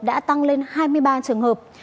đã tăng lên hai mươi ba trường hợp